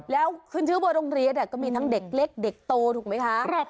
แล้วขึ้นชื่อว่าโรงเรียนก็มีทั้งเด็กเล็กเด็กโตถูกไหมคะ